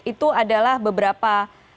itu adalah beberapa